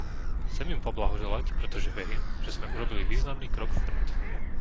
Chcem im poblahoželať, pretože verím, že sme urobili významný krok vpred.